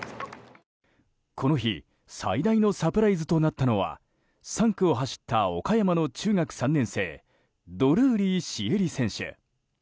この日最大のサプライズとなったのは３区を走った岡山の中学３年生ドルーリー朱瑛里選手。